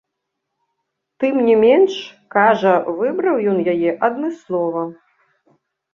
Тым не менш, кажа, выбраў ён яе адмыслова.